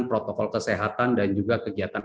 protokol kesehatan dan juga kegiatan